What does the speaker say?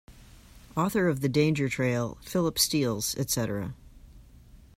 Author of the danger trail, Philip Steels, etc.